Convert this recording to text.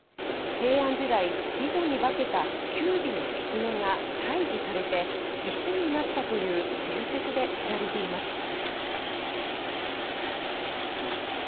平安時代、美女に化けた九尾の狐が退治されて石になったという伝説で知られています。